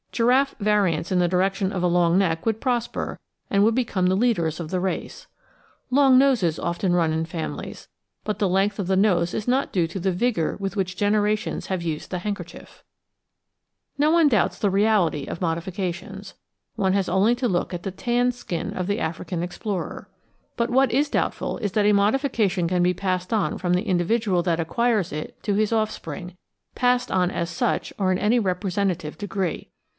Giraffe variants in the direction of a long neck would prosper, and would become the leaders of the race. Long noses often run in families, but the length of the nose is not due to the vigour with which generations have used the handkerchief. No one doubts the reality of modifications: one has only to look at the tanned skin of the African explorer. But what is doubtful is that a modification can be passed on from the individ ual that acquires it to his offspring — passed on as such or in any representative degree.